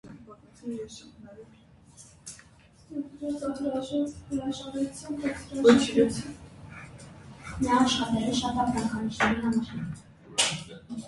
Սուրիկովը ծնվել է ոչ հարուստ ընտանիքում։